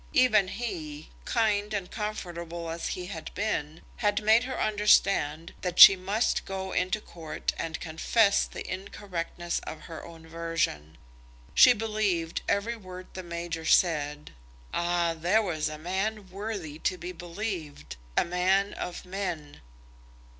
Even he, kind and comfortable as he had been, had made her understand that she must go into court and confess the incorrectness of her own version. She believed every word the major said. Ah, there was a man worthy to be believed; a man of men!